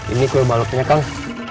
ini kue baloknya kang